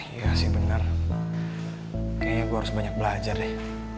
iya sih bener kayaknya gua harus banyak belajar deh